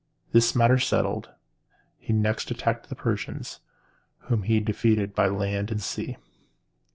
This matter settled, he next attacked the Persians, whom he soon defeated by land and by sea.